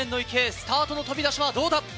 スタートの飛び出しはどうだ。